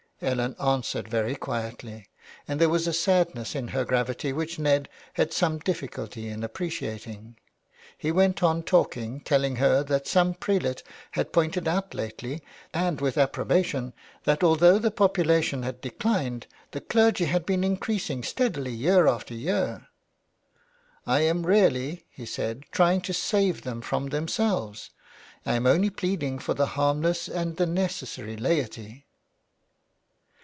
'' Ellen answered very quietly, and there was a sadness i» her gravity which Ned had some difficulty in appreciating. He went on talking, telling her that some prelate had pointed out lately, and with appro bation, that although the population had declined the clergy had been increasing steadily year after year. " I am really,'' he said, " trying to save them from themselves. I am only pleading for the harmless and the necessary laity."